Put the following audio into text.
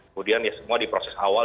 kemudian ya semua di proses awal